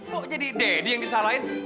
kok jadi deddy yang disalahin